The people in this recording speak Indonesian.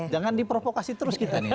jangan diprovokasi terus kita nih